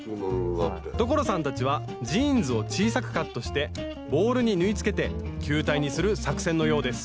所さんたちはジーンズを小さくカットしてボールに縫いつけて球体にする作戦のようです